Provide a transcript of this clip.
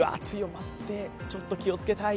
ちょっと気をつけたい。